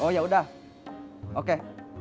oh ya udah oke